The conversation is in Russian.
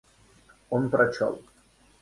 Он прочел.